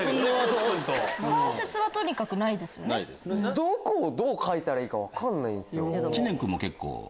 どこをどう描いたらいいか分かんないんすよ。